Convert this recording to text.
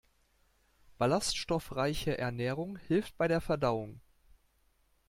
Ballaststoffreiche Ernährung hilft bei der Verdauung.